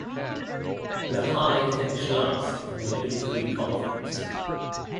Lehigh finished last in the Middle Three Conference.